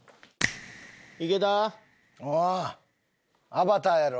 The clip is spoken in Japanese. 『アバター』やろ？